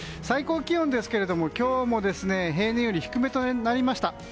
最高気温ですが今日も平年より低めとなりました。